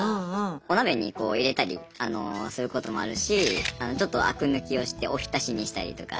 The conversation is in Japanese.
お鍋にこう入れたりすることもあるしちょっとあく抜きをしておひたしにしたりとか。